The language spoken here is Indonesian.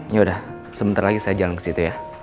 yaudah sebentar lagi saya jalan ke situ ya